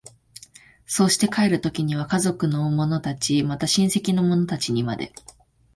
そうして帰る時には家族の者たち、また親戚の者たちにまで、